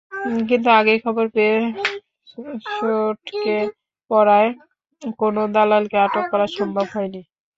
কিন্তু আগেই খবর পেয়ে সটকে পড়ায় কোনো দালালকে আটক করা সম্ভব হয়নি।